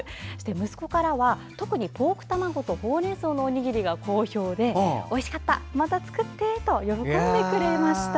息子からは特にポーク卵とほうれんそうのおにぎりが好評でおいしかった、また作ってと喜んでくれました。